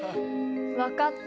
分かった。